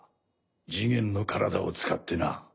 ジゲンの体を使ってな。